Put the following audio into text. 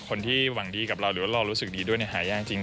คนที่หวังดีกับเราหรือว่าเรารู้สึกดีด้วยหายากจริง